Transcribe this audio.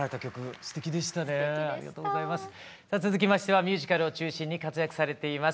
さあ続きましてはミュージカルを中心に活躍されています